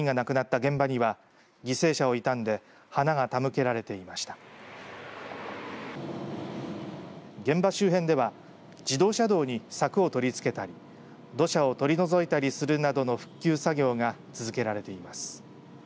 現場周辺では自動車道に柵を取り付けたり土砂を取り除いたりするなどの復旧作業が続けられています。